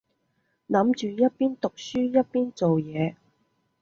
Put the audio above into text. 諗住一邊讀書一邊做嘢